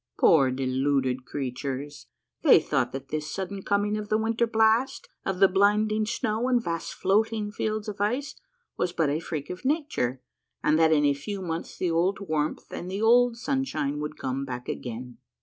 Poor deluded creatures ! they thought that this sudden coming of the winter blast, of the blinding snow and vast floating fields of ice, was but a freak of nature, and that in a few months the old warmth and the old sunshine would come back again.